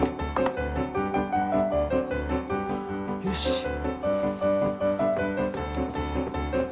よし！